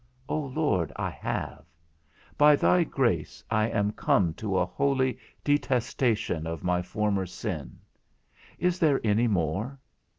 O Lord, I have; by thy grace, I am come to a holy detestation of my former sin. Is there any more?